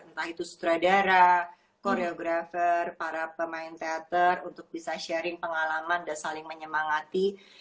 entah itu sutradara koreografer para pemain teater untuk bisa sharing pengalaman dan saling menyemangati